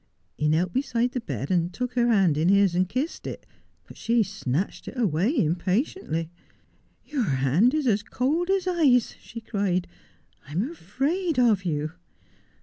He knelt beside the bed and took her hand in his and kissed it, but she snatched it away impatiently. " Your hand is as cold as ice/' she cried. " I am afraid of you."